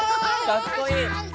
かっこいい！